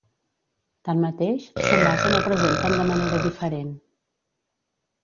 Tanmateix, s'envasen o presenten de manera diferent.